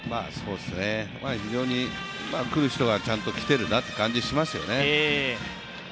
非常に、くる人がちゃんときているなという感じがしますよね。